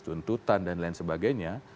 tuntutan dan lain sebagainya